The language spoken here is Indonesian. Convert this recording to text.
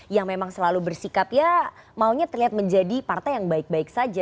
yang memang selalu bersikap ya maunya terlihat menjadi partai yang baik baik saja